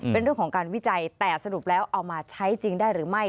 เป็นเรื่องของการวิจัยแต่สรุปแล้วเอามาใช้จริงได้หรือไม่